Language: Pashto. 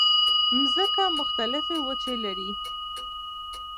مځکه مختلفې وچې لري.